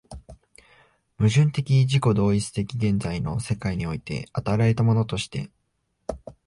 矛盾的自己同一的現在の世界において与えられたものとして、